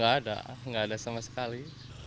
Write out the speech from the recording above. nggak ada nggak ada sama sekali